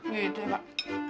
gitu ya pak